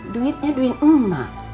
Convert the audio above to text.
duitnya duit emak